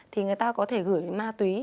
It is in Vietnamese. thì người ta có thể gửi ma túy